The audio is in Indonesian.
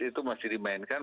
itu masih dimainkan